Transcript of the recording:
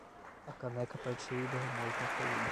A caneca partiu e derramou o conteúdo.